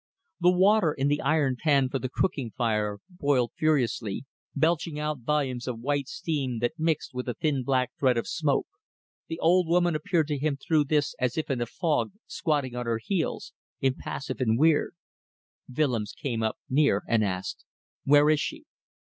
The water in the iron pan on the cooking fire boiled furiously, belching out volumes of white steam that mixed with the thin black thread of smoke. The old woman appeared to him through this as if in a fog, squatting on her heels, impassive and weird. Willems came up near and asked, "Where is she?"